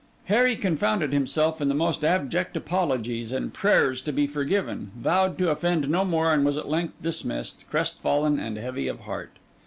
Harry confounded himself in the most abject apologies and prayers to be forgiven, vowed to offend no more, and was at length dismissed, crestfallen and heavy of heart.